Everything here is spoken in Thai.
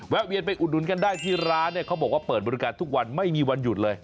เวียนไปอุดหนุนกันได้ที่ร้านเนี่ยเขาบอกว่าเปิดบริการทุกวันไม่มีวันหยุดเลย